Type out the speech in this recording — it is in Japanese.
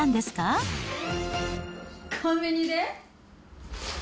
コンビニで？